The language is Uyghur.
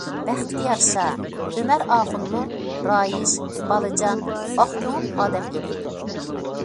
بەختكە يارىشا ئۆمەر ئاخۇنمۇ رايىش، بالىجان، ئاق كۆڭۈل ئادەم ئىدى.